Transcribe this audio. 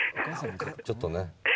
ちょっとね。